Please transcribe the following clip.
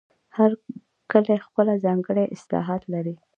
هر کلی خپله ځانګړې اصطلاح لري.